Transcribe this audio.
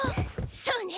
そうね。